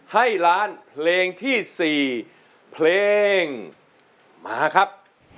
ให้ล้านเพลงที่๔เพลงมาครับ